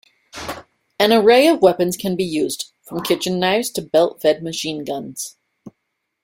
An array of weapons can be used, from kitchen knives to belt-fed machine guns.